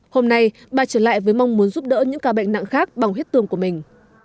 hôm nay bà trở lại với mong muốn giúp đỡ những ca bệnh nặng khác bằng huyết tương của mình